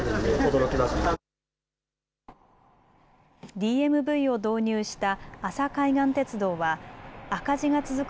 ＤＭＶを導入した阿佐海岸鉄道は赤字が続く